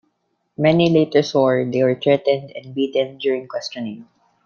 Many later swore they were threatened and beaten during questioning.